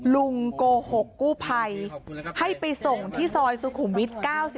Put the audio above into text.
โกหกกู้ภัยให้ไปส่งที่ซอยสุขุมวิท๙๒